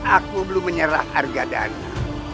aku belum menyerah harga dana